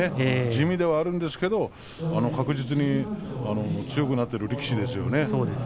地味ではあるんですけど、確実に強くなっている力士ですよね。